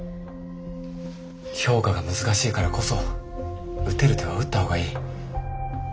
評価が難しいからこそ打てる手は打った方がいい。